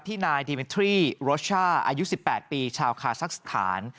ที่นายดิมิตรีรัชชาอายุ๑๘ปีชาวคาซักสถาน